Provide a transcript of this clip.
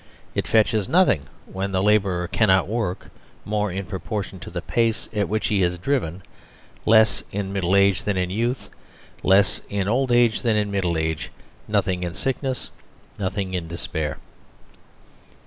It fetches nothing when the labourer cannot work, more in proportion to the pace at which he is driven ; less in middle age than in youth ; less in old age than in middle age; nothing in sickness ; nothing in despair.